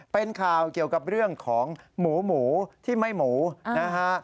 เป็นข่าวเกี่ยวกับเรื่องของหมูหมูที่ไม่หมูนะฮะ